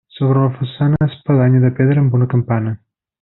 Sobre la façana, espadanya de pedra amb una campana.